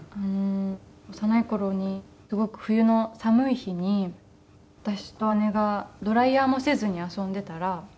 幼い頃にすごく冬の寒い日に私と姉がドライヤーもせずに遊んでいたらすごく怒られて。